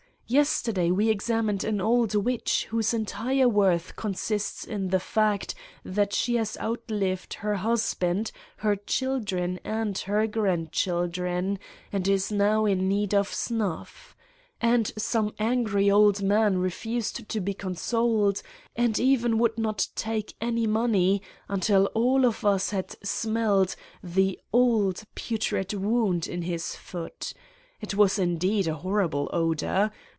Yesterday we examined an old witch whose entire worth consists in the fact that she has outlived her husband, her children and her grandchildren, and is now in need of snuff. And some angry old man refused to be consoled and even would not take any money until all of us had smelled the old putrid wound in his foot. It was indeed a horrible odor.